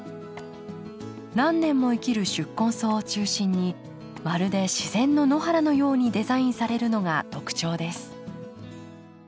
何年も生きる宿根草を中心にまるで自然の野原のようにデザインされるのが特徴です。